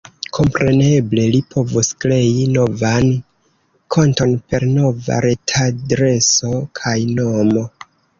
Kompreneble, li povus krei novan konton per nova retadreso kaj nomo.